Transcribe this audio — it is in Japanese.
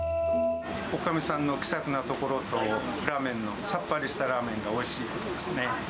おかみさんの気さくなところと、ラーメンの、さっぱりしたラーメンがおいしいですね。